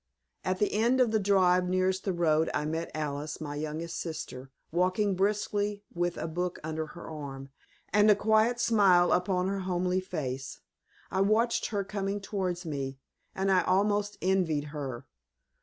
At the end of the drive nearest the road, I met Alice, my youngest sister, walking briskly with a book under her arm, and a quiet smile upon her homely face. I watched her coming towards me, and I almost envied her.